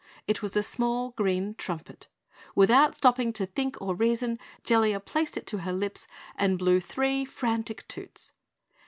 It was a small green trumpet. Without stopping to think or reason, Jellia placed it to her lips and blew three frantic toots.